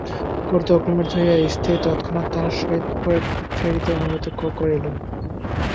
ক্রোধে অগ্নিমূর্তি হইয়া স্ত্রীকে তৎক্ষণাৎ তাহার সহিত ফিরিতে অনুমতি করিল।